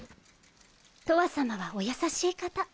とわさまはお優しい方。